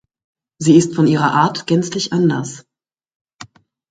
Sie ist von ihrer Art gänzlich anders.